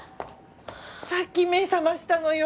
さっき目覚ましたのよ。